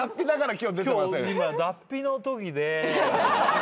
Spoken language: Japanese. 「今日今脱皮のときで」